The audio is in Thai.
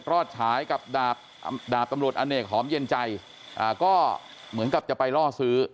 ฉายกับดาบตำรวจอเนกหอมเย็นใจก็เหมือนกับจะไปล่อซื้อ